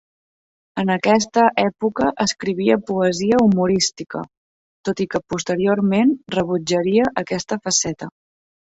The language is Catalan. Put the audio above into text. En aquesta època escrivia poesia humorística, tot i que posteriorment rebutjaria aquesta faceta.